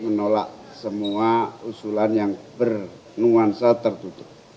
menolak semua usulan yang bernuansa tertutup